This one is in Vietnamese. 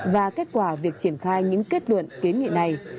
và kết quả việc triển khai những kết luận kiến nghị này